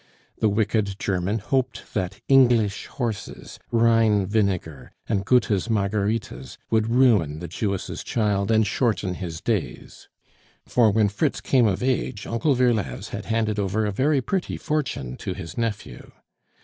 The wicked German hoped that English horses, Rhine vinegar, and Goethe's Marguerites would ruin the Jewess' child and shorten his days; for when Fritz came of age, Uncle Virlaz had handed over a very pretty fortune to his nephew.